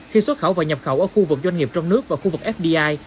khi xuất khẩu và nhập khẩu ở khu vực doanh nghiệp trong nước và khu vực fdi